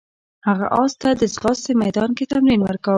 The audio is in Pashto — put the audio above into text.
هغه اس ته د ځغاستې میدان کې تمرین ورکاوه.